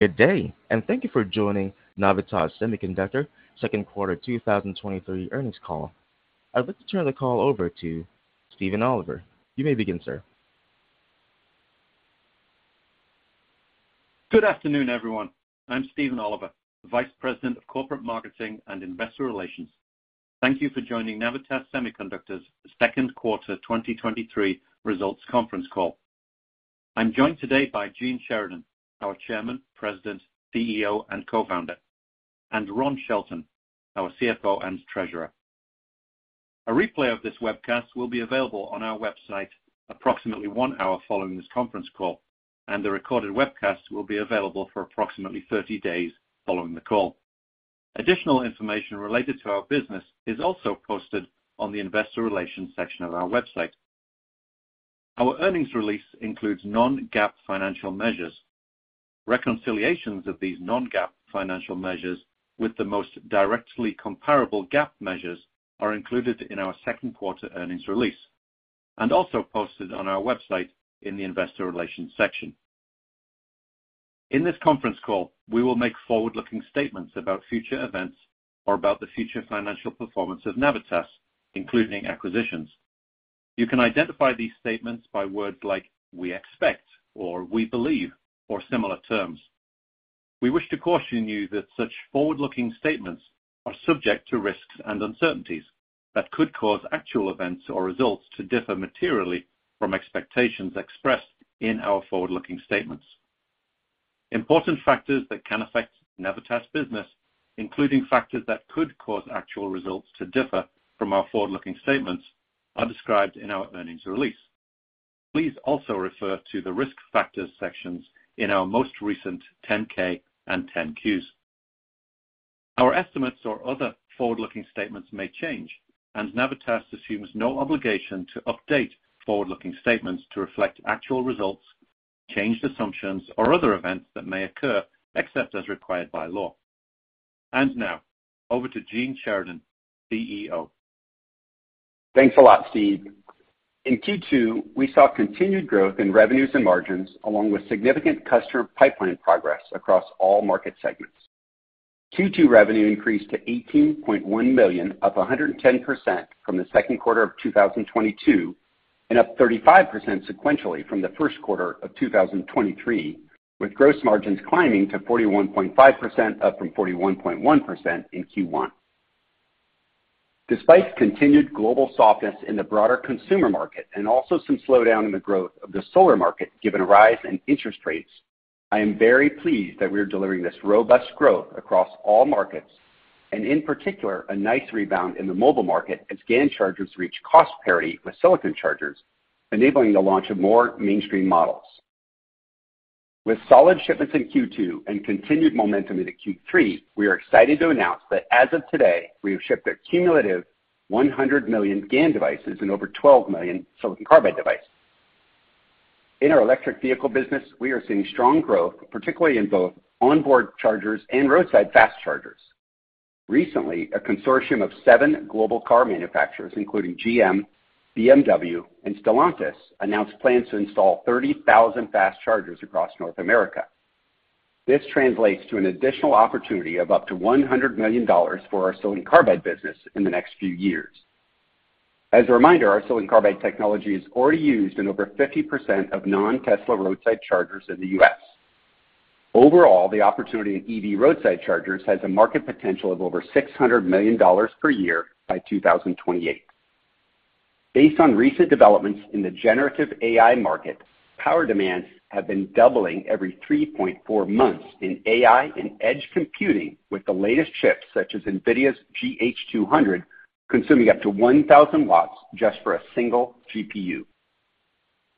Good day, and thank you for joining Navitas Semiconductor second quarter 2023 earnings call. I'd like to turn the call over to Stephen Oliver. You may begin, sir. Good afternoon, everyone. I'm Stephen Oliver, Vice President of Corporate Marketing and Investor Relations. Thank you for joining Navitas Semiconductor's second quarter 2023 results conference call. I'm joined today by Gene Sheridan, our Chairman, President, CEO, and Co-founder, and Ron Shelton, our CFO and Treasurer. A replay of this webcast will be available on our website approximately one hour following this conference call, and the recorded webcast will be available for approximately 30 days following the call. Additional information related to our business is also posted on the investor relations section of our website. Our earnings release includes non-GAAP financial measures. Reconciliations of these non-GAAP financial measures with the most directly comparable GAAP measures are included in our second quarter earnings release, and also posted on our website in the investor relations section. In this conference call, we will make forward-looking statements about future events or about the future financial performance of Navitas, including acquisitions. You can identify these statements by words like, "We expect," or, "We believe," or similar terms. We wish to caution you that such forward-looking statements are subject to risks and uncertainties that could cause actual events or results to differ materially from expectations expressed in our forward-looking statements. Important factors that can affect Navitas business, including factors that could cause actual results to differ from our forward-looking statements, are described in our earnings release. Please also refer to the Risk Factors sections in our most recent Form 10-K and Form 10-Q. Our estimates or other forward-looking statements may change, and Navitas assumes no obligation to update forward-looking statements to reflect actual results, changed assumptions, or other events that may occur, except as required by law. Now over to Gene Sheridan, CEO. Thanks a lot, Stephen. In Q2, we saw continued growth in revenues and margins, along with significant customer pipeline progress across all market segments. Q2 revenue increased to $18.1 million, up 110% from the second quarter of 2022, and up 35% sequentially from the first quarter of 2023, with gross margins climbing to 41.5%, up from 41.1% in Q1. Despite continued global softness in the broader consumer market and also some slowdown in the growth of the solar market, given a rise in interest rates, I am very pleased that we are delivering this robust growth across all markets, and in particular, a nice rebound in the mobile market as GaN chargers reach cost parity with silicon chargers, enabling the launch of more mainstream models. With solid shipments in Q2 and continued momentum into Q3, we are excited to announce that as of today, we have shipped a cumulative 100 million GaN devices and over 12 million silicon carbide devices. In our electric vehicle business, we are seeing strong growth, particularly in both onboard chargers and roadside fast chargers. Recently, a consortium of seven global car manufacturers, including GM, BMW, and Stellantis, announced plans to install 30,000 fast chargers across North America. This translates to an additional opportunity of up to $100 million for our silicon carbide business in the next few years. As a reminder, our silicon carbide technology is already used in over 50% of non-Tesla roadside chargers in the U.S. Overall, the opportunity in EV roadside chargers has a market potential of over $600 million per year by 2028. Based on recent developments in the generative AI market, power demands have been doubling every 3.4 months in AI and edge computing, with the latest chips, such as NVIDIA's GH200, consuming up to 1,000 watts just for a single GPU.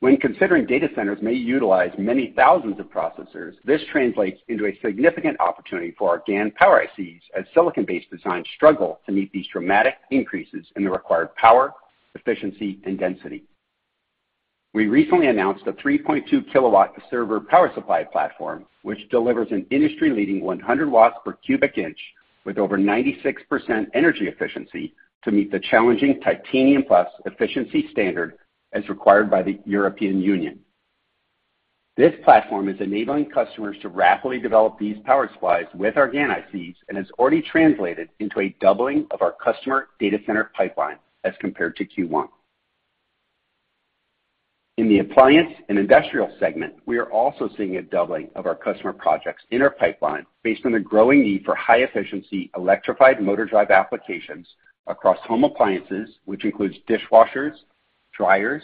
When considering data centers may utilize many thousands of processors, this translates into a significant opportunity for our GaN power ICs, as silicon-based designs struggle to meet these dramatic increases in the required power, efficiency, and density. We recently announced a 3.2 kilowatt server power supply platform, which delivers an industry-leading 100 watts per cubic inch with over 96% energy efficiency to meet the challenging 80 PLUS Titanium efficiency standard as required by the European Union. This platform is enabling customers to rapidly develop these power supplies with our GaN ICs and has already translated into a doubling of our customer data center pipeline as compared to Q1. In the appliance and industrial segment, we are also seeing a doubling of our customer projects in our pipeline based on the growing need for high-efficiency electrified motor drive applications across home appliances, which includes dishwashers, dryers,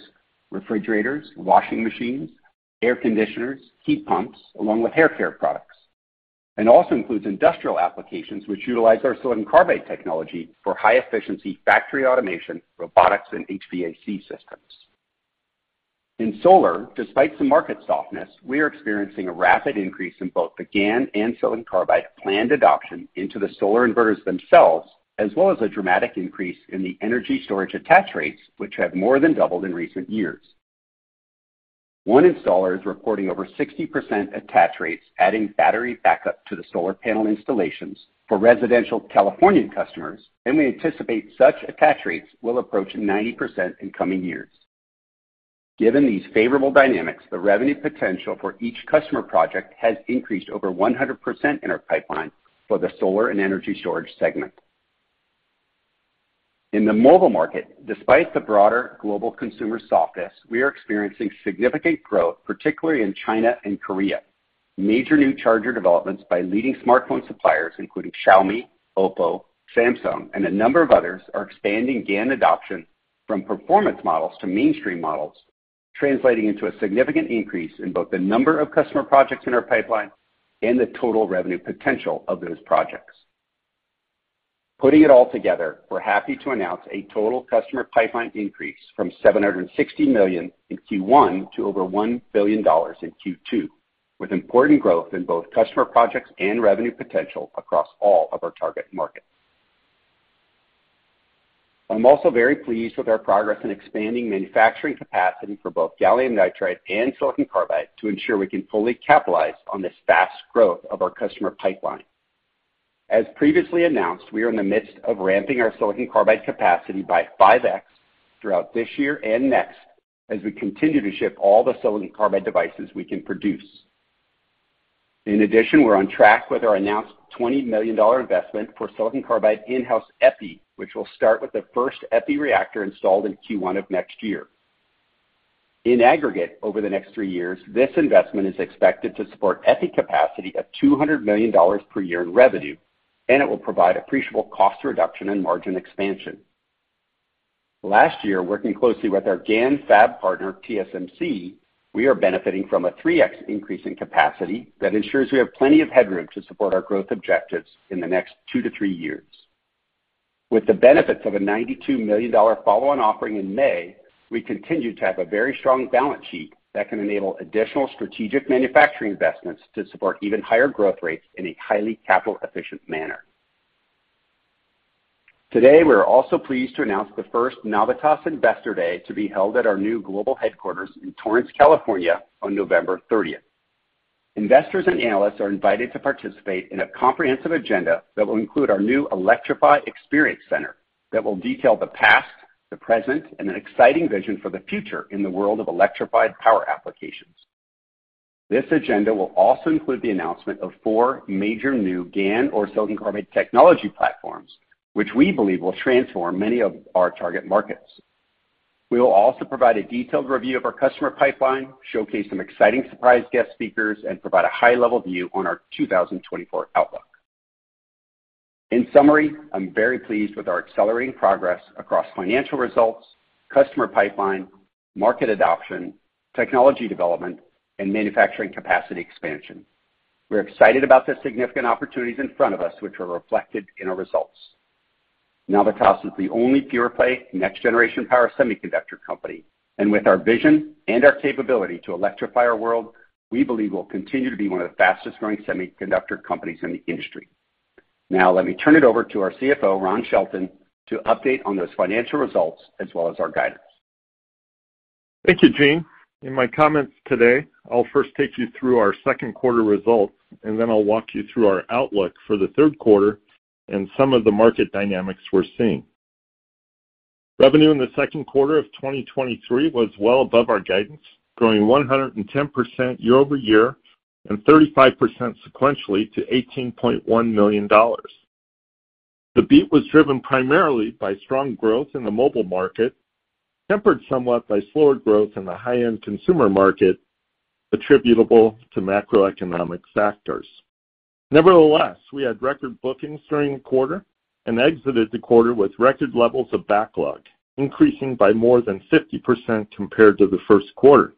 refrigerators, washing machines, air conditioners, heat pumps, along with hair care products, and also includes industrial applications which utilize our silicon carbide technology for high efficiency, factory automation, robotics, and HVAC systems. In solar, despite some market softness, we are experiencing a rapid increase in both the GaN and silicon carbide planned adoption into the solar inverters themselves, as well as a dramatic increase in the energy storage attach rates, which have more than doubled in recent years. One installer is reporting over 60% attach rates, adding battery backup to the solar panel installations for residential Californian customers. We anticipate such attach rates will approach 90% in coming years. Given these favorable dynamics, the revenue potential for each customer project has increased over 100% in our pipeline for the solar and energy storage segment. In the mobile market, despite the broader global consumer softness, we are experiencing significant growth, particularly in China and Korea. Major new charger developments by leading smartphone suppliers, including Xiaomi, OPPO, Samsung, and a number of others, are expanding GaN adoption from performance models to mainstream models, translating into a significant increase in both the number of customer projects in our pipeline and the total revenue potential of those projects. Putting it all together, we're happy to announce a total customer pipeline increase from $760 million in Q1 to over $1 billion in Q2, with important growth in both customer projects and revenue potential across all of our target markets. I'm also very pleased with our progress in expanding manufacturing capacity for both gallium nitride and silicon carbide to ensure we can fully capitalize on this fast growth of our customer pipeline. As previously announced, we are in the midst of ramping our silicon carbide capacity by 5x throughout this year and next, as we continue to ship all the silicon carbide devices we can produce. We're on track with our announced $20 million investment for silicon carbide in-house epi, which will start with the first epi reactor installed in Q1 of next year. In aggregate, over the next 3 years, this investment is expected to support epi capacity of $200 million per year in revenue. It will provide appreciable cost reduction and margin expansion. Last year, working closely with our GaN fab partner, TSMC, we are benefiting from a 3x increase in capacity that ensures we have plenty of headroom to support our growth objectives in the next 2 to 3 years. With the benefits of a $92 million follow-on offering in May, we continue to have a very strong balance sheet that can enable additional strategic manufacturing investments to support even higher growth rates in a highly capital-efficient manner. Today, we are also pleased to announce the first Navitas Investor Day to be held at our new global headquarters in Torrance, California, on November 30th. Investors and analysts are invited to participate in a comprehensive agenda that will include our new Electrify Experience Center, that will detail the past, the present, and an exciting vision for the future in the world of electrified power applications. This agenda will also include the announcement of 4 major new GaN or silicon carbide technology platforms, which we believe will transform many of our target markets. We will also provide a detailed review of our customer pipeline, showcase some exciting surprise guest speakers, and provide a high-level view on our 2024 outlook. In summary, I'm very pleased with our accelerating progress across financial results, customer pipeline, market adoption, technology development, and manufacturing capacity expansion. We're excited about the significant opportunities in front of us, which are reflected in our results. Navitas is the only pure-play, next-generation power semiconductor company, and with our vision and our capability to electrify our world, we believe we'll continue to be one of the fastest-growing semiconductor companies in the industry. Now, let me turn it over to our CFO, Ron Shelton, to update on those financial results as well as our guidance. Thank you, Gene. In my comments today, I'll first take you through our second quarter results, and then I'll walk you through our outlook for the third quarter and some of the market dynamics we're seeing. Revenue in the second quarter of 2023 was well above our guidance, growing 110% year-over-year and 35% sequentially to $18.1 million. The beat was driven primarily by strong growth in the mobile market, tempered somewhat by slower growth in the high-end consumer market, attributable to macroeconomic factors. Nevertheless, we had record bookings during the quarter and exited the quarter with record levels of backlog, increasing by more than 50% compared to the first quarter.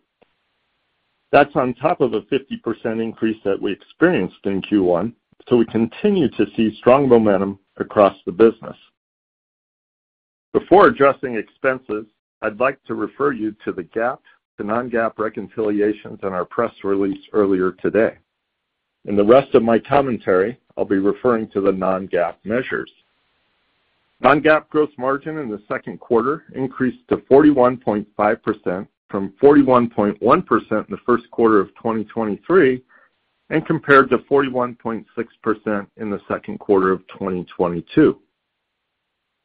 That's on top of a 50% increase that we experienced in Q1, so we continue to see strong momentum across the business. Before addressing expenses, I'd like to refer you to the GAAP to non-GAAP reconciliations in our press release earlier today. In the rest of my commentary, I'll be referring to the non-GAAP measures. Non-GAAP gross margin in the second quarter increased to 41.5%, from 41.1% in the first quarter of 2023, and compared to 41.6% in the second quarter of 2022.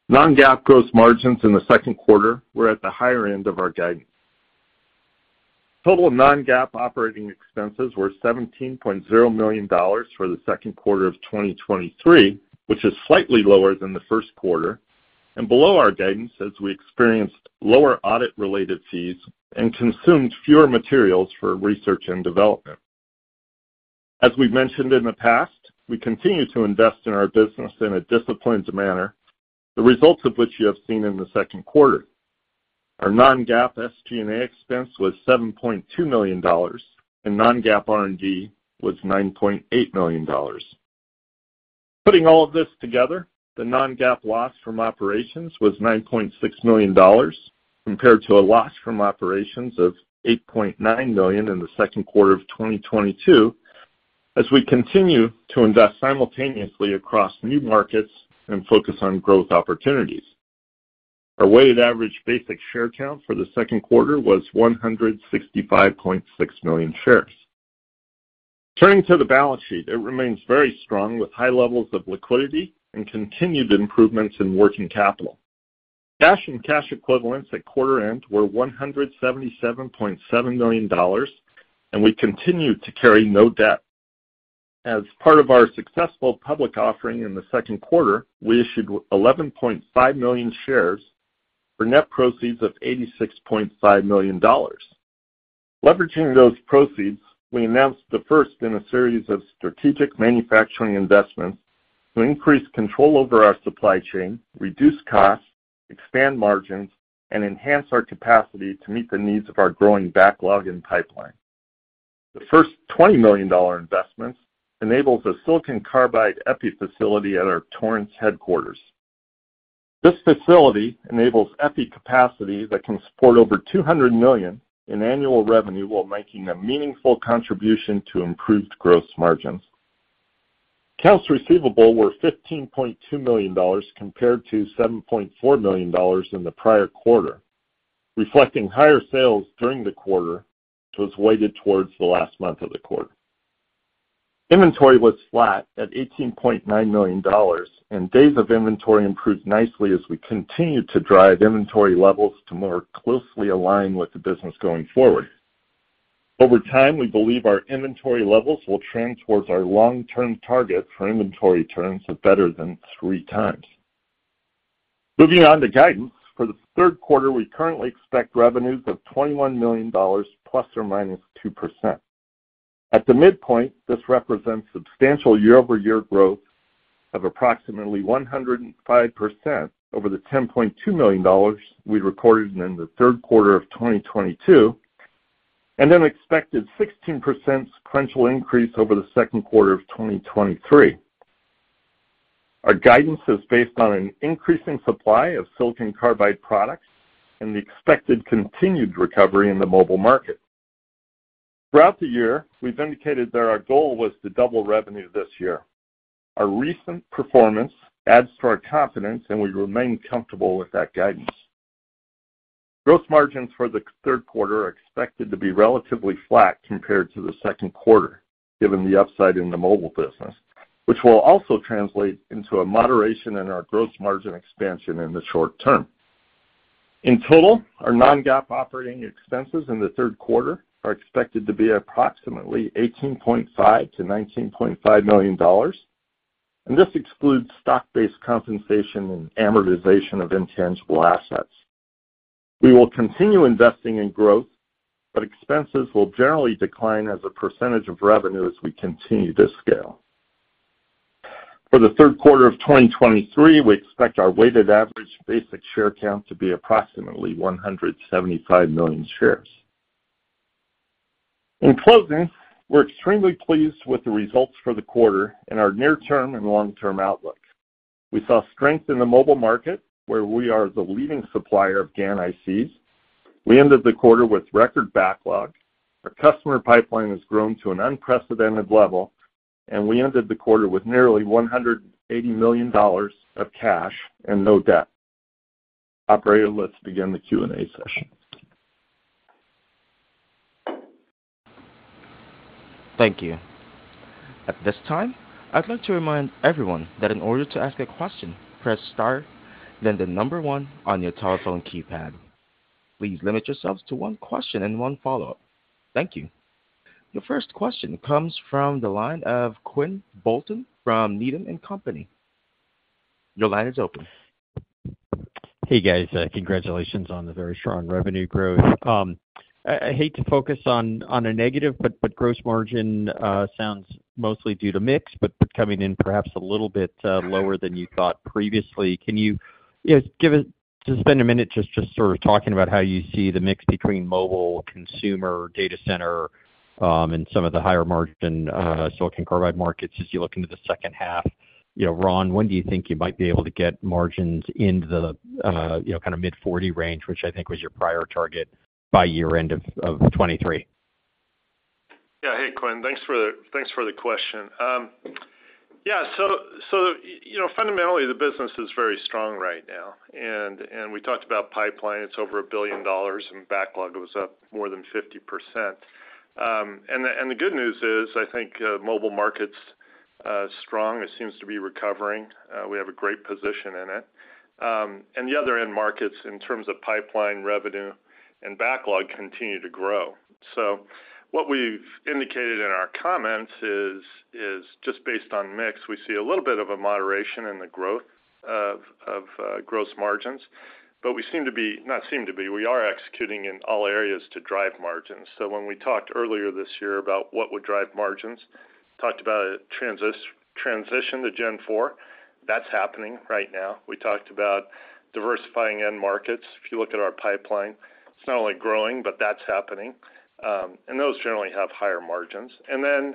Non-GAAP gross margins in the second quarter were at the higher end of our guidance. Total non-GAAP operating expenses were $17.0 million for the second quarter of 2023, which is slightly lower than the first quarter and below our guidance, as we experienced lower audit-related fees and consumed fewer materials for research and development. As we've mentioned in the past, we continue to invest in our business in a disciplined manner, the results of which you have seen in the second quarter. Our non-GAAP SG&A expense was $7.2 million. non-GAAP R&D was $9.8 million. Putting all of this together, the non-GAAP loss from operations was $9.6 million, compared to a loss from operations of $8.9 million in the second quarter of 2022, as we continue to invest simultaneously across new markets and focus on growth opportunities. Our weighted average basic share count for the second quarter was 165.6 million shares. Turning to the balance sheet, it remains very strong, with high levels of liquidity and continued improvements in working capital. Cash and cash equivalents at quarter-end were $177.7 million. We continued to carry no debt. As part of our successful public offering in the second quarter, we issued 11.5 million shares for net proceeds of $86.5 million. Leveraging those proceeds, we announced the first in a series of strategic manufacturing investments to increase control over our supply chain, reduce costs, expand margins, and enhance our capacity to meet the needs of our growing backlog and pipeline. The first $20 million investment enables a silicon carbide epi facility at our Torrance headquarters. This facility enables epi capacity that can support over $200 million in annual revenue, while making a meaningful contribution to improved gross margins. Accounts receivable were $15.2 million compared to $7.4 million in the prior quarter, reflecting higher sales during the quarter, which was weighted towards the last month of the quarter. Inventory was flat at $18.9 million, and days of inventory improved nicely as we continued to drive inventory levels to more closely align with the business going forward. Over time, we believe our inventory levels will trend towards our long-term target for inventory turns of better than 3 times. Moving on to guidance. For the third quarter, we currently expect revenues of $21 million ±2%. At the midpoint, this represents substantial year-over-year growth of approximately 105% over the $10.2 million we recorded in the third quarter of 2022, and an expected 16% sequential increase over the second quarter of 2023. Our guidance is based on an increasing supply of silicon carbide products and the expected continued recovery in the mobile market. Throughout the year, we've indicated that our goal was to double revenue this year. Our recent performance adds to our confidence, and we remain comfortable with that guidance. Gross margins for the third quarter are expected to be relatively flat compared to the second quarter, given the upside in the mobile business, which will also translate into a moderation in our gross margin expansion in the short term. In total, our non-GAAP operating expenses in the third quarter are expected to be approximately $18.5 million-$19.5 million, and this excludes stock-based compensation and amortization of intangible assets. We will continue investing in growth, but expenses will generally decline as a percentage of revenue as we continue to scale. For the third quarter of 2023, we expect our weighted average basic share count to be approximately 175 million shares. In closing, we're extremely pleased with the results for the quarter and our near-term and long-term outlook. We saw strength in the mobile market, where we are the leading supplier of GaN ICs. We ended the quarter with record backlog. Our customer pipeline has grown to an unprecedented level, and we ended the quarter with nearly $180 million of cash and no debt. Operator, let's begin the Q&A session. Thank you. At this time, I'd like to remind everyone that in order to ask a question, press star, then the number one on your telephone keypad. Please limit yourselves to one question and one follow-up. Thank you. Your first question comes from the line of Quinn Bolton from Needham & Company. Your line is open. Hey, guys, congratulations on the very strong revenue growth. I, I hate to focus on, on a negative, but, but gross margin, sounds mostly due to mix, but coming in perhaps a little bit, lower than you thought previously. Can you just give a just spend a minute just, just sort of talking about how you see the mix between mobile, consumer, data center, and some of the higher-margin, silicon carbide markets as you look into the second half? You know, Ron, when do you think you might be able to get margins into the, you know, kind of mid-40 range, which I think was your prior target by year-end of 2023? Yeah. Hey, Quinn, thanks for the question. You know, fundamentally, the business is very strong right now, and we talked about pipeline. It's over $1 billion, and backlog was up more than 50%. The good news is, I think, mobile market's strong. It seems to be recovering. We have a great position in it. The other end markets, in terms of pipeline revenue and backlog, continue to grow. What we've indicated in our comments is just based on mix. We see a little bit of a moderation in the growth of gross margins, but we seem to be-- not seem to be, we are executing in all areas to drive margins. When we talked earlier this year about what would drive margins, talked about a transition to Gen-4, that's happening right now. We talked about diversifying end markets. If you look at our pipeline, it's not only growing, but that's happening, and those generally have higher margins. Then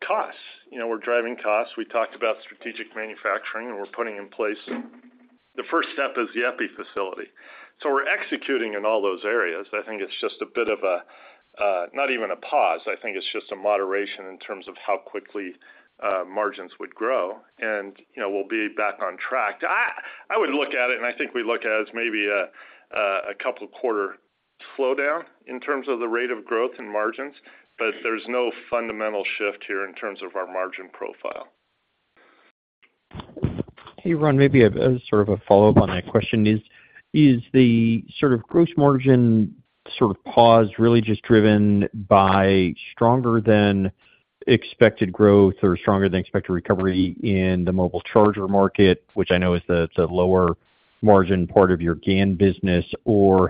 costs. You know, we're driving costs. We talked about strategic manufacturing, we're putting in place. The first step is the epi facility. We're executing in all those areas. I think it's just a bit of a, not even a pause, I think it's just a moderation in terms of how quickly margins would grow and, you know, we'll be back on track. I would look at it, and I think we look at it as maybe a 2 quarter slowdown in terms of the rate of growth and margins, but there's no fundamental shift here in terms of our margin profile.... Hey, Ron, maybe a, a sort of a follow-up on that question. Is, is the sort of gross margin sort of pause really just driven by stronger than expected growth or stronger than expected recovery in the mobile charger market, which I know is the, the lower margin part of your GaN business, or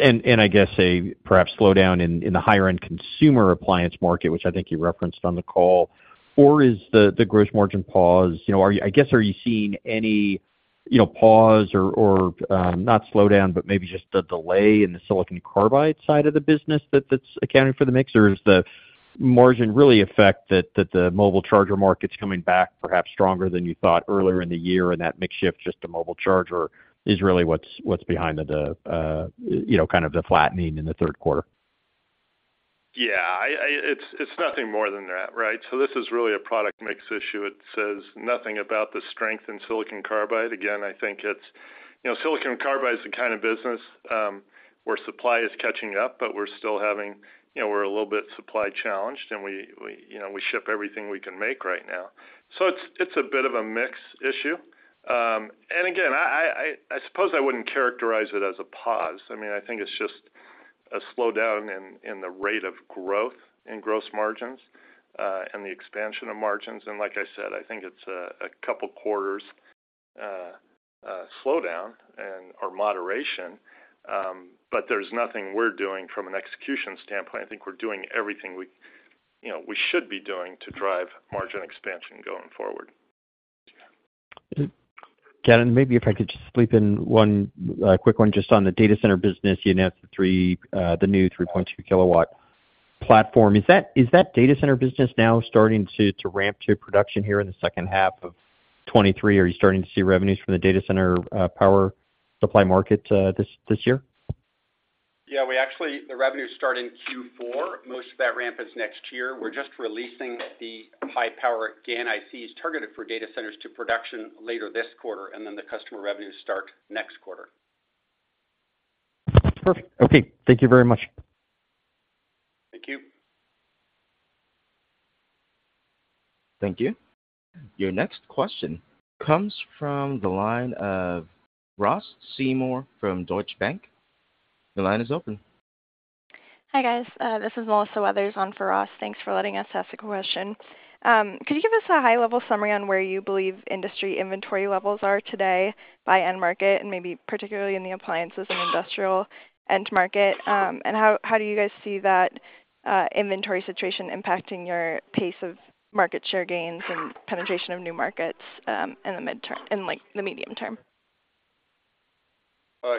and I guess a perhaps slowdown in, in the higher end consumer appliance market, which I think you referenced on the call. Or is the, the gross margin pause, you know, I guess, are you seeing any, you know, pause or or not slowdown, but maybe just the delay in the silicon carbide side of the business that, that's accounting for the mix? Is the margin really affect that, that the mobile charger market's coming back perhaps stronger than you thought earlier in the year, and that mix shift just to mobile charger is really what's, what's behind the, the, you know, kind of the flattening in the third quarter? Yeah, it's nothing more than that, right? This is really a product mix issue. It says nothing about the strength in silicon carbide. Again, I think it's, you know, silicon carbide is the kind of business, where supply is catching up, but we're still having, you know, we're a little bit supply challenged, and we, we, you know, we ship everything we can make right now. It's, it's a bit of a mix issue. Again, I, I, I suppose I wouldn't characterize it as a pause. I mean, I think it's just a slowdown in, in the rate of growth in gross margins, and the expansion of margins. Like I said, I think it's a, a couple quarters, slowdown and, or moderation, but there's nothing we're doing from an execution standpoint. I think we're doing everything we, you know, we should be doing to drive margin expansion going forward. Maybe if I could just slip in one quick one just on the data center business. You announced the new 3.2 kilowatt platform. Is that data center business now starting to ramp to production here in the second half of 2023? Are you starting to see revenues from the data center power supply market this year? Yeah, we actually the revenues start in Q4. Most of that ramp is next year. We're just releasing the high-power GaN ICs targeted for data centers to production later this quarter, and then the customer revenues start next quarter. Perfect. Okay. Thank you very much. Thank you. Thank you. Your next question comes from the line of Ross Seymore from Deutsche Bank. Your line is open. Hi, guys. This is Melissa Weathers on for Ross Seymore. Thanks for letting us ask a question. Could you give us a high-level summary on where you believe industry inventory levels are today by end market, and maybe particularly in the appliances and industrial end market? How, how do you guys see that inventory situation impacting your pace of market share gains and penetration of new markets, in, like, the medium term?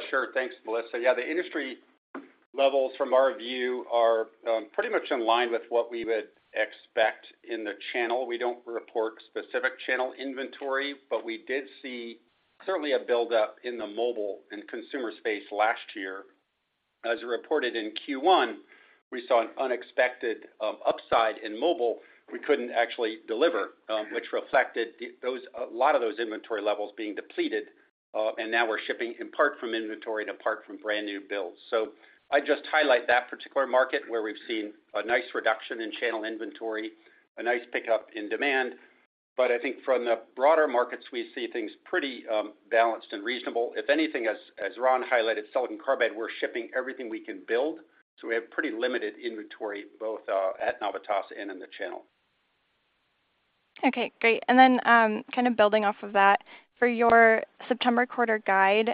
Sure. Thanks, Melissa. Yeah, the industry levels from our view are pretty much in line with what we would expect in the channel. We don't report specific channel inventory, but we did see certainly a buildup in the mobile and consumer space last year. As reported in Q1, we saw an unexpected upside in mobile we couldn't actually deliver, which reflected a lot of those inventory levels being depleted, and now we're shipping in part from inventory and in part from brand new builds. I'd just highlight that particular market, where we've seen a nice reduction in channel inventory, a nice pickup in demand. I think from the broader markets, we see things pretty balanced and reasonable. If anything, as, as Ron highlighted, silicon carbide, we're shipping everything we can build, so we have pretty limited inventory, both, at Navitas and in the channel. Okay, great. Kind of building off of that. For your September quarter guide,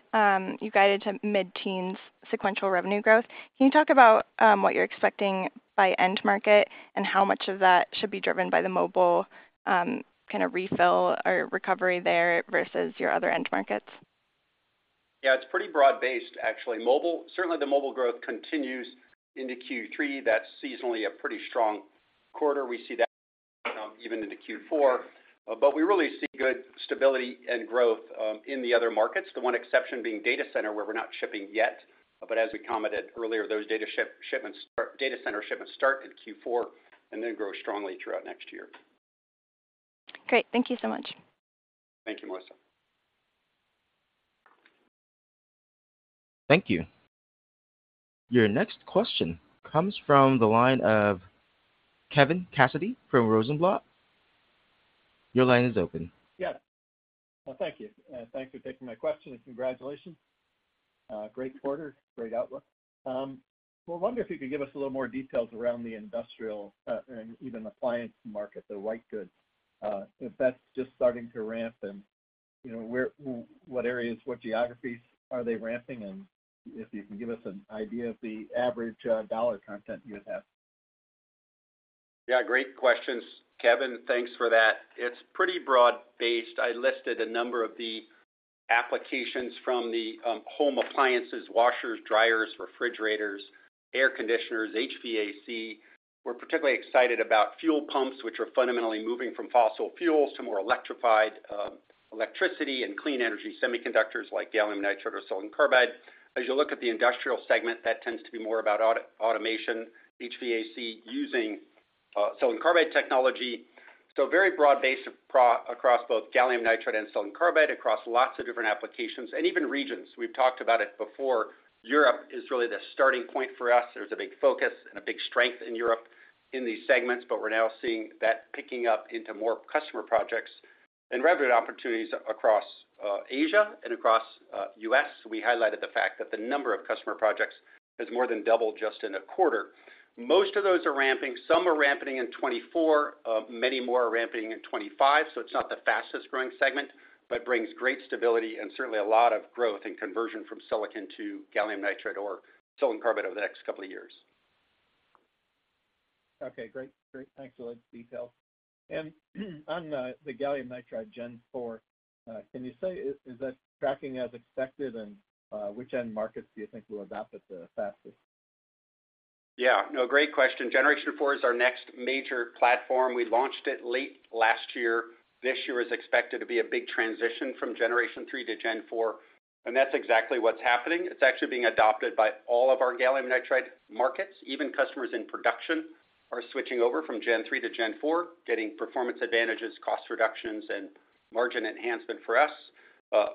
you guided to mid-teens sequential revenue growth. Can you talk about what you're expecting by end market and how much of that should be driven by the mobile kind of refill or recovery there versus your other end markets? Yeah, it's pretty broad-based, actually. Certainly, the mobile growth continues into Q3. That's seasonally a pretty strong quarter. We see that even into Q4. We really see good stability and growth in the other markets, the one exception being data center, where we're not shipping yet, but as we commented earlier, those data center shipments start in Q4 and then grow strongly throughout next year. Great. Thank you so much. Thank you, Melissa. Thank you. Your next question comes from the line of Kevin Cassidy from Rosenblatt. Your line is open. Yeah. Thank you. Thanks for taking my question, and congratulations. Great quarter, great outlook. Well, I wonder if you could give us a little more details around the industrial, and even appliance market, the white goods, if that's just starting to ramp and, you know, where, what areas, what geographies are they ramping in? If you can give us an idea of the average dollar content you would have. Yeah, great questions, Kevin. Thanks for that. It's pretty broad-based. I listed a number of the applications from the home appliances, washers, dryers, refrigerators, air conditioners, HVAC. We're particularly excited about fuel pumps, which are fundamentally moving from fossil fuels to more electrified electricity and clean energy semiconductors, like gallium nitride or silicon carbide. As you look at the industrial segment, that tends to be more about automation, HVAC using silicon carbide technology. Very broad base across both gallium nitride and silicon carbide, across lots of different applications and even regions. We've talked about it before. Europe is really the starting point for us. There's a big focus and a big strength in Europe in these segments, we're now seeing that picking up into more customer projects... and revenue opportunities across Asia and across US. We highlighted the fact that the number of customer projects has more than doubled just in a quarter. Most of those are ramping. Some are ramping in 2024, many more are ramping in 2025, so it's not the fastest-growing segment, but brings great stability and certainly a lot of growth and conversion from silicon to gallium nitride or silicon carbide over the next couple of years. Okay, great. Great. Thanks for all the details. On the gallium nitride Gen-4, can you say, is that tracking as expected, and which end markets do you think will adopt it the fastest? Yeah. No, great question. Generation Four is our next major platform. We launched it late last year. This year is expected to be a big transition from Generation Three to Gen Four, and that's exactly what's happening. It's actually being adopted by all of our gallium nitride markets. Even customers in production are switching over from Gen Three to Gen Four, getting performance advantages, cost reductions, and margin enhancement for us.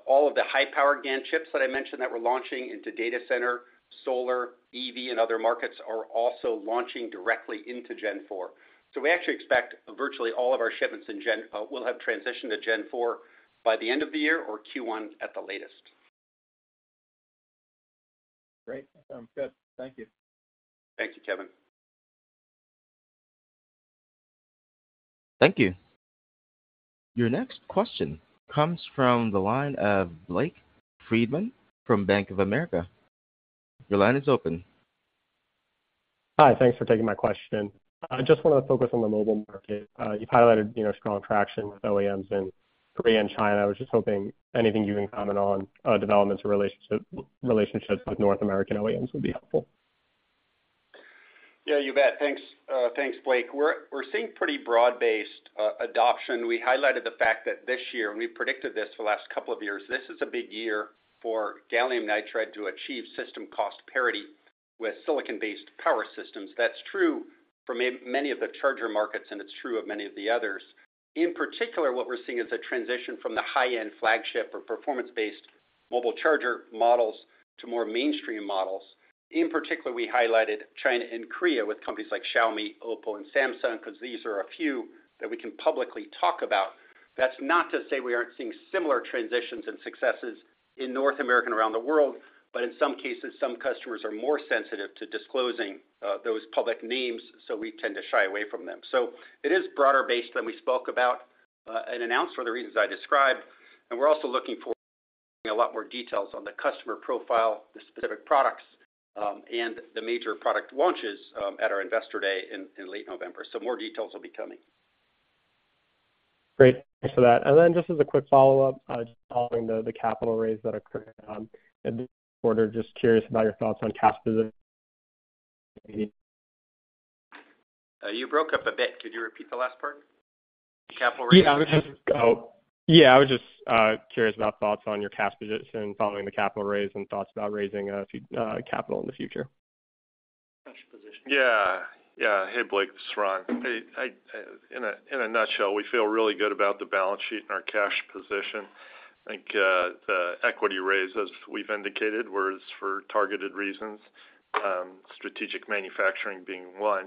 All of the high-power GaN chips that I mentioned that we're launching into data center, solar, EV, and other markets, are also launching directly into Gen Four. We actually expect virtually all of our shipments will have transitioned to Gen Four by the end of the year or Q1 at the latest. Great. Sounds good. Thank you. Thank you, Kevin. Thank you. Your next question comes from the line of Blake Friedman from Bank of America. Your line is open. Hi, thanks for taking my question. I just wanna focus on the mobile market. You've highlighted, you know, strong traction with OEMs in Korea and China. I was just hoping anything you can comment on, developments or relationship, relationships with North American OEMs would be helpful. Yeah, you bet. Thanks, thanks, Blake. We're seeing pretty broad-based adoption. We highlighted the fact that this year, and we've predicted this for the last couple of years, this is a big year for gallium nitride to achieve system cost parity with silicon-based power systems. That's true for many of the charger markets, and it's true of many of the others. In particular, what we're seeing is a transition from the high-end flagship or performance-based mobile charger models to more mainstream models. In particular, we highlighted China and Korea with companies like Xiaomi, OPPO, and Samsung, because these are a few that we can publicly talk about. That's not to say we aren't seeing similar transitions and successes in North America and around the world. In some cases some customers are more sensitive to disclosing, those public names, so we tend to shy away from them. It is broader based than we spoke about, and announced for the reasons I described, and we're also looking for a lot more details on the customer profile, the specific products, and the major product launches, at our Investor Day in late November. More details will be coming. Great, thanks for that. Just as a quick follow-up, just following the capital raise that occurred in this quarter, just curious about your thoughts on cash position? You broke up a bit. Could you repeat the last part? The capital raise? Yeah, I was just curious about thoughts on your cash position following the capital raise and thoughts about raising capital in the future? Cash position. Yeah. Yeah. Hey, Blake, this is Ron. I, I, in a, in a nutshell, we feel really good about the balance sheet and our cash position. I think the equity raise, as we've indicated, was for targeted reasons, strategic manufacturing being one.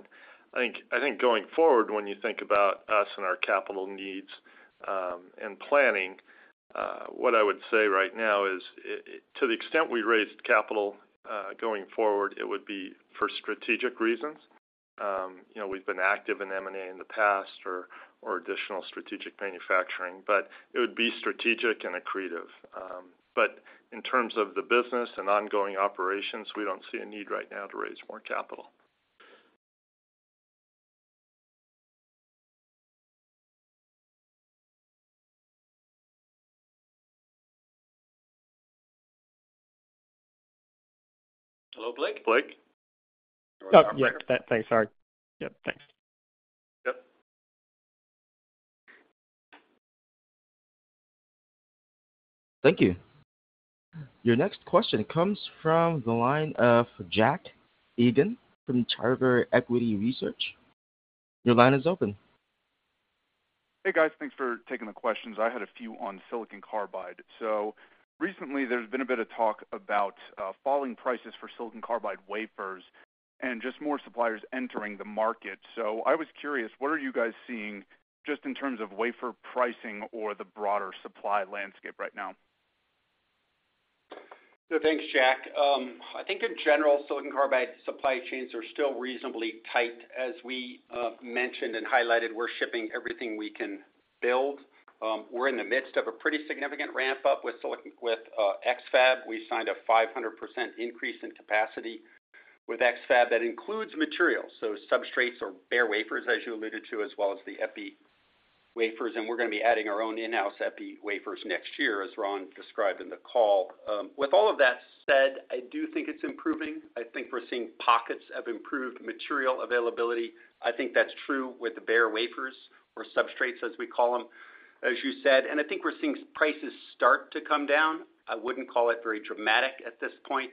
I think, I think going forward, when you think about us and our capital needs, and planning, what I would say right now is, to the extent we raised capital, going forward, it would be for strategic reasons. You know, we've been active in M&A in the past or, or additional strategic manufacturing, but it would be strategic and accretive. In terms of the business and ongoing operations, we don't see a need right now to raise more capital. Hello, Blake? Blake? Oh, yeah. Thanks. Sorry. Yep, thanks. Yep. Thank you. Your next question comes from the line of Jack Egan from Charter Equity Research. Your line is open. Hey, guys. Thanks for taking the questions. I had a few on silicon carbide. Recently there's been a bit of talk about falling prices for silicon carbide wafers and just more suppliers entering the market. I was curious, what are you guys seeing just in terms of wafer pricing or the broader supply landscape right now? Thanks, Jack. I think in general, silicon carbide supply chains are still reasonably tight. As we mentioned and highlighted, we're shipping everything we can build. We're in the midst of a pretty significant ramp-up with silicon-- with X-FAB. We signed a 500% increase in capacity with X-FAB. That includes materials, so substrates or bare wafers, as you alluded to, as well as the epi wafers, and we're gonna be adding our own in-house epi wafers next year, as Ron described in the call. With all of that said, I do think it's improving. I think we're seeing pockets of improved material availability. I think that's true with the bare wafers or substrates, as we call them, as you said, and I think we're seeing prices start to come down. I wouldn't call it very dramatic at this point,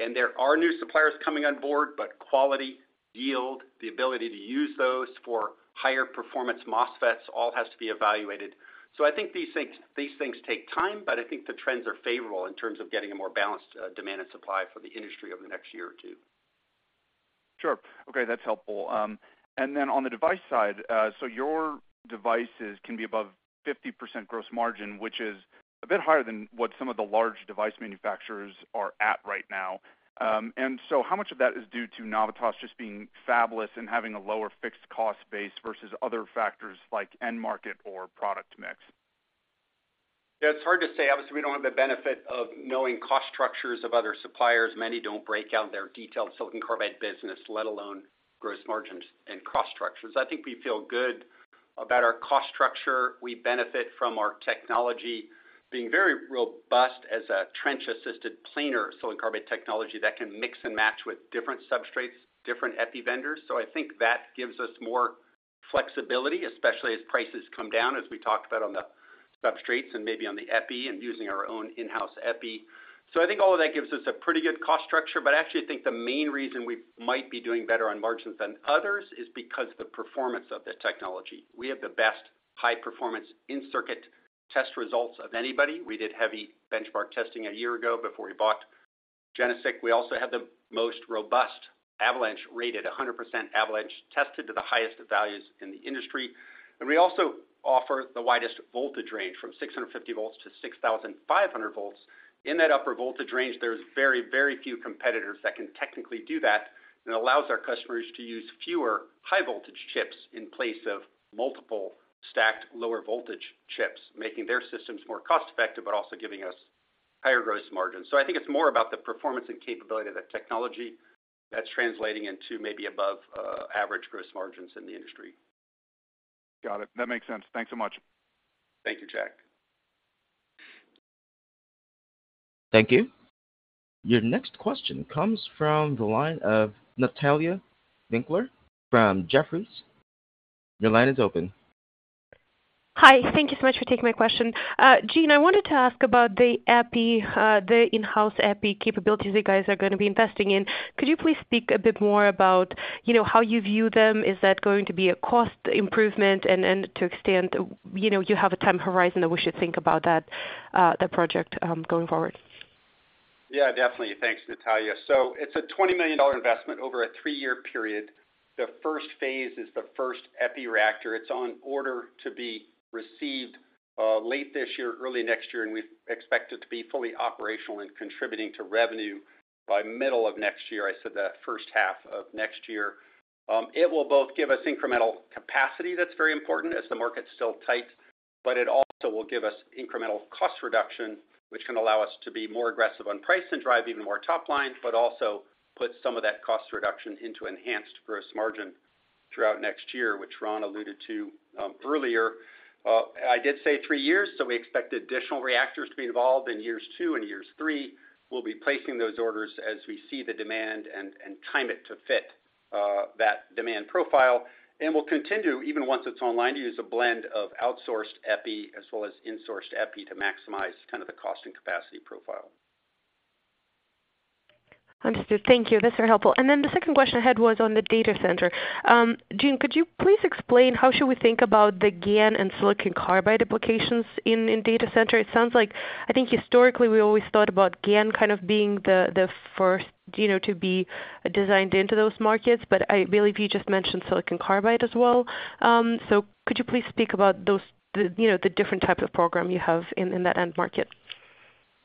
and there are new suppliers coming on board, but quality, yield, the ability to use those for higher performance MOSFETs, all has to be evaluated. I think these things, these things take time, but I think the trends are favorable in terms of getting a more balanced, demand and supply for the industry over the next year or 2. Sure. Okay, that's helpful. On the device side, Your devices can be above 50% gross margin, which is a bit higher than what some of the large device manufacturers are at right now. How much of that is due to Navitas just being fabless and having a lower fixed cost base versus other factors like end market or product mix? It's hard to say. Obviously, we don't have the benefit of knowing cost structures of other suppliers. Many don't break out their detailed silicon carbide business, let alone gross margins and cost structures. I think we feel good about our cost structure. We benefit from our technology being very robust as a trench-assisted planar silicon carbide technology that can mix and match with different substrates, different epi vendors. I think that gives us more flexibility, especially as prices come down, as we talked about on the substrates and maybe on the epi and using our own in-house epi. I think all of that gives us a pretty good cost structure, but I actually think the main reason we might be doing better on margins than others is because the performance of the technology. We have the best high performance in-circuit test results of anybody. We did heavy benchmark testing 1 year ago before we bought GeneSiC. We also have the most robust avalanche-rated, 100% avalanche, tested to the highest values in the industry. We also offer the widest voltage range, from 650 volts to 6,500 volts. In that upper voltage range, there's very, very few competitors that can technically do that, and it allows our customers to use fewer high voltage chips in place of multiple stacked lower voltage chips, making their systems more cost-effective, but also giving us higher gross margins. I think it's more about the performance and capability of that technology that's translating into maybe above average gross margins in the industry. Got it. That makes sense. Thanks so much. Thank you, Jack. Thank you. Your next question comes from the line of Natalia Winkler from Jefferies. Your line is open. Hi, thank you so much for taking my question. Gene, I wanted to ask about the epi, the in-house epi capabilities you guys are going to be investing in. Could you please speak a bit more about, you know, how you view them? Is that going to be a cost improvement? And, and to extent, you know, you have a time horizon that we should think about that, the project, going forward? Yeah, definitely. Thanks, Natalia. It's a $20 million investment over a 3-year period. The first phase is the first epi reactor. It's on order to be received late this year, early next year. We expect it to be fully operational and contributing to revenue by middle of next year. I said the first half of next year. It will both give us incremental capacity that's very important as the market's still tight, but it also will give us incremental cost reduction, which can allow us to be more aggressive on price and drive even more top line, but also put some of that cost reduction into enhanced gross margin throughout next year, which Ron alluded to earlier. I did say 3 years. We expect additional reactors to be involved in years 2 and years 3. We'll be placing those orders as we see the demand and time it to fit that demand profile. We'll continue, even once it's online, to use a blend of outsourced epi as well as insourced epi to maximize kind of the cost and capacity profile. Understood. Thank you. That's very helpful. Then the second question I had was on the data center. Gene, could you please explain how should we think about the GaN and silicon carbide applications in, in data center? It sounds like I think historically, we always thought about GaN kind of being the, the first, you know, to be designed into those markets, but I believe you just mentioned silicon carbide as well. So could you please speak about those, the, you know, the different type of program you have in, in that end market?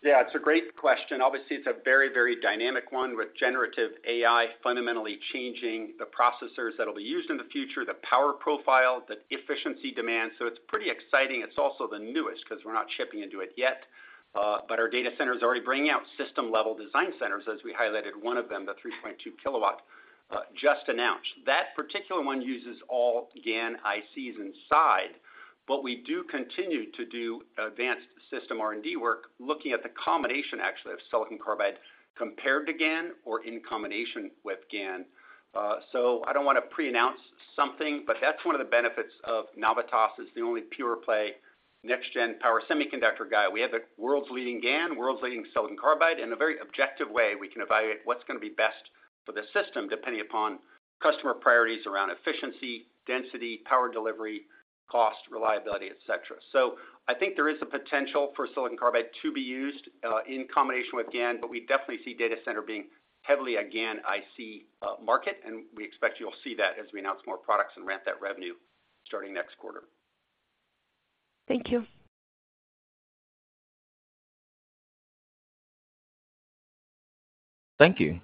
Yeah, it's a great question. Obviously, it's a very, very dynamic one, with generative AI fundamentally changing the processors that will be used in the future, the power profile, the efficiency demand. It's pretty exciting. It's also the newest because we're not shipping into it yet, but our data center is already bringing out system-level design centers, as we highlighted one of them, the 3.2 kilowatt just announced. That particular one uses all GaN ICs inside, but we do continue to do advanced system R&D work, looking at the combination, actually, of silicon carbide compared to GaN or in combination with GaN. I don't want to pre-announce something, but that's one of the benefits of Navitas as the only pure play next gen power semiconductor guy. We have the world's leading GaN, world's leading silicon carbide. In a very objective way, we can evaluate what's going to be best for the system, depending upon customer priorities around efficiency, density, power delivery, cost, reliability, et cetera. I think there is a potential for silicon carbide to be used in combination with GaN, but we definitely see data center being heavily a GaN IC market, and we expect you'll see that as we announce more products and ramp that revenue starting next quarter. Thank you. Thank you.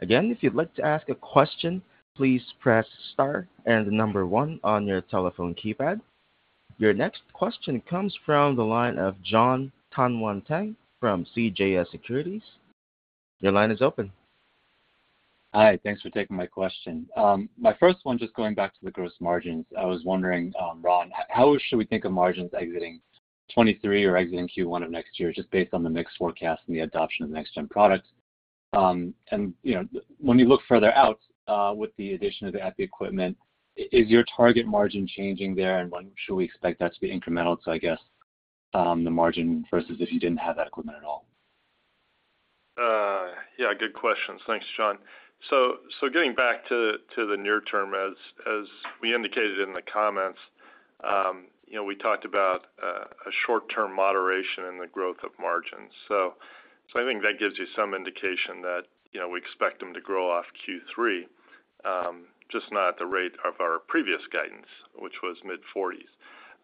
Again, if you'd like to ask a question, please press star and the number one on your telephone keypad. Your next question comes from the line of John Tanwanteng from CJS Securities. Your line is open. Hi, thanks for taking my question. My first one, just going back to the gross margins. I was wondering, Ron, how should we think of margins exiting 2023 or exiting Q1 of next year, just based on the mix forecast and the adoption of next gen products? You know, when you look further out, with the addition of the epi equipment, is your target margin changing there, and when should we expect that to be incremental to the margin versus if you didn't have that equipment at all? Yeah, good questions. Thanks, John. Getting back to the near term, as we indicated in the comments, you know, we talked about a short-term moderation in the growth of margins. I think that gives you some indication that, you know, we expect them to grow off Q3, just not at the rate of our previous guidance, which was mid-forties.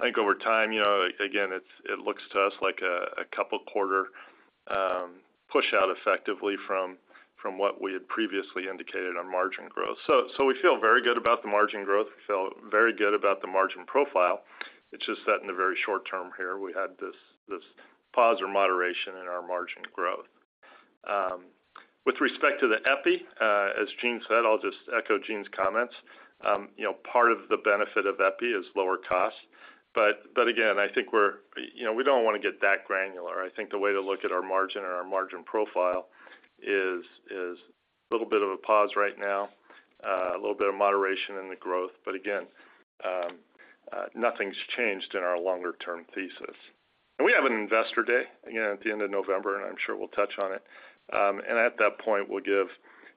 I think over time, you know, again, it looks to us like a couple quarter push out effectively from what we had previously indicated on margin growth. We feel very good about the margin growth. We feel very good about the margin profile. It's just that in the very short term here, we had this, this pause or moderation in our margin growth. With respect to the epi, as Gene said, I'll just echo Gene's comments. You know, part of the benefit of epi is lower cost, but again, I think you know, we don't wanna get that granular. I think the way to look at our margin or our margin profile is a little bit of a pause right now, a little bit of moderation in the growth. Again, nothing's changed in our longer-term thesis. We have an Investor Day, again, at the end of November, and I'm sure we'll touch on it. At that point, we'll give,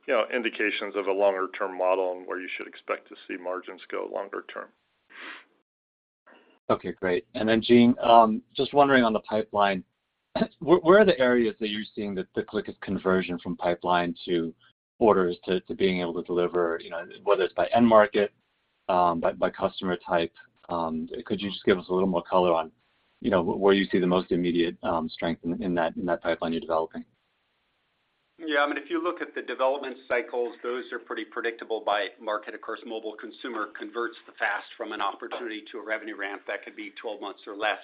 you know, indications of a longer-term model and where you should expect to see margins go longer term. Okay, great. Gene, just wondering on the pipeline, where, where are the areas that you're seeing the, the quickest conversion from pipeline to orders to, to being able to deliver, you know, whether it's by end market, by, by customer type? Could you just give us a little more color on, you know, where you see the most immediate strength in, in that, in that pipeline you're developing? Yeah, I mean, if you look at the development cycles, those are pretty predictable by market. Of course, mobile consumer converts the fast from an opportunity to a revenue ramp that could be 12 months or less.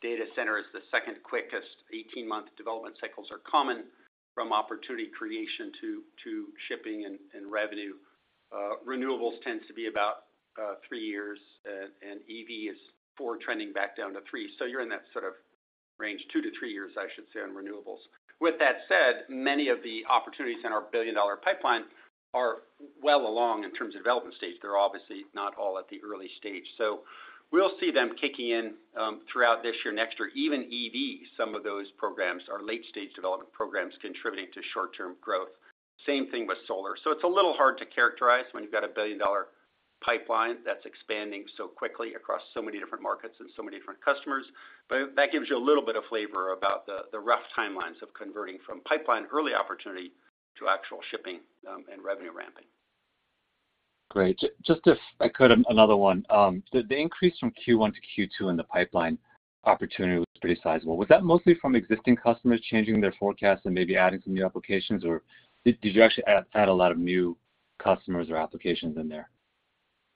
Data center is the second quickest, 18-month development cycles are common from opportunity creation to shipping and revenue. Renewables tends to be about three years, and EV is four, trending back down to three. You're in that sort of range, 2-3 years, I should say, on renewables. With that said, many of the opportunities in our billion-dollar pipeline are well along in terms of development stage. They're obviously not all at the early stage. We'll see them kicking in throughout this year, next year, even EV, some of those programs are late-stage development programs contributing to short-term growth. Same thing with solar. It's a little hard to characterize when you've got a billion-dollar pipeline that's expanding so quickly across so many different markets and so many different customers. That gives you a little bit of flavor about the, the rough timelines of converting from pipeline early opportunity to actual shipping, and revenue ramping. Great. Just if I could, another one. The increase from Q1 to Q2 in the pipeline opportunity was pretty sizable. Was that mostly from existing customers changing their forecast and maybe adding some new applications, or did you actually add a lot of new customers or applications in there?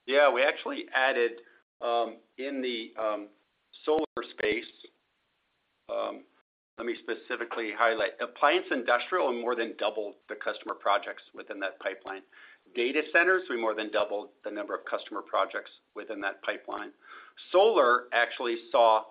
Yeah, we actually added, in the solar space, let me specifically highlight. Appliance industrial more than doubled the customer projects within that pipeline. Data centers, we more than doubled the number of customer projects within that pipeline. Solar actually saw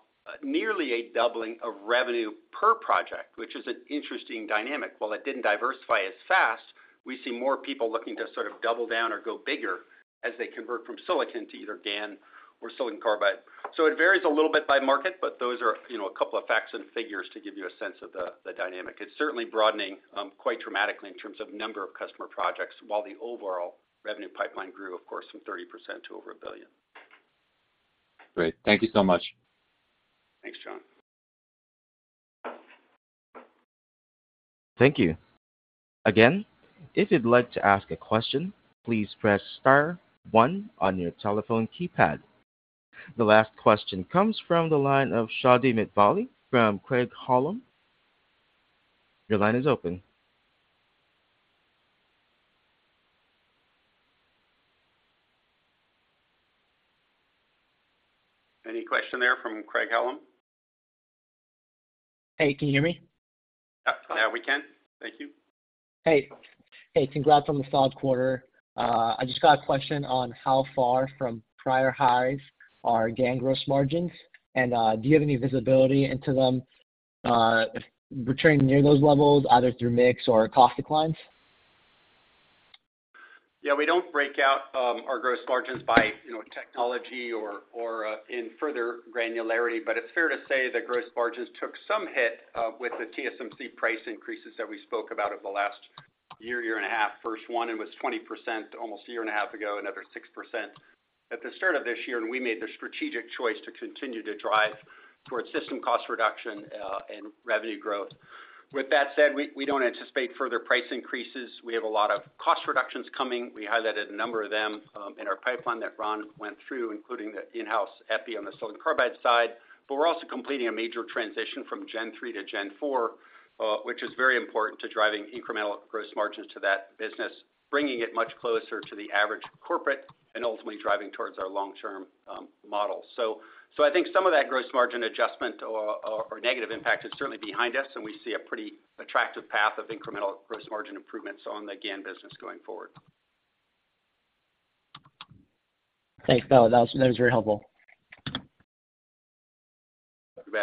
nearly a doubling of revenue per project, which is an interesting dynamic. While it didn't diversify as fast, we see more people looking to sort of double down or go bigger as they convert from silicon to either GaN or silicon carbide. It varies a little bit by market, but those are, you know, a couple of facts and figures to give you a sense of the, the dynamic. It's certainly broadening, quite dramatically in terms of number of customer projects, while the overall revenue pipeline grew, of course, from 30% to over $1 billion. Great. Thank you so much. Thanks, John. Thank you. Again, if you'd like to ask a question, please press star one on your telephone keypad. The last question comes from the line of Shadi Mitdali from Craig-Hallum. Your line is open. Any question there from Craig-Hallum? Hey, can you hear me? Yep. Yeah, we can. Thank you. Hey. Hey, congrats on the solid quarter. I just got a question on how far from prior highs are GaN gross margins, and do you have any visibility into them if returning near those levels, either through mix or cost declines? Yeah, we don't break out our gross margins by, you know, technology or, or in further granularity, but it's fair to say that gross margins took some hit with the TSMC price increases that we spoke about over the last year, year and a half. First one, it was 20% almost a year and a half ago, another 6%. At the start of this year, we made the strategic choice to continue to drive towards system cost reduction and revenue growth. With that said, we don't anticipate further price increases. We have a lot of cost reductions coming. We highlighted a number of them in our pipeline that Ron went through, including the in-house epi on the silicon carbide side. We're also completing a major transition from Gen-3 to Gen-4, which is very important to driving incremental gross margins to that business, bringing it much closer to the average corporate and ultimately driving towards our long-term model. I think some of that gross margin adjustment or, or, or negative impact is certainly behind us, and we see a pretty attractive path of incremental gross margin improvements on the GaN business going forward. Thanks, fella. That was, that was very helpful. You bet.